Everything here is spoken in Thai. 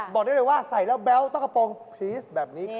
บอกได้เลยว่าใส่แล้วแบ๊วต้องกระโปรงพรีสแบบนี้